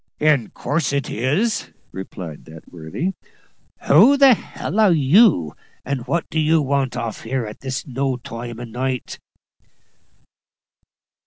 "In course it is," replied that worthy. "Who the h l are you, and what do you want off here at this no time o' night?"